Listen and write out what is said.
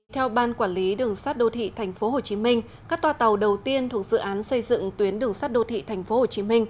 theo ban quản lý đường sát đô thị tp hcm các toa tàu đầu tiên thuộc dự án xây dựng tuyến đường sắt đô thị tp hcm